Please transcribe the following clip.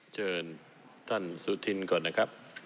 เชิญท่านสุธินก่อนนะครับ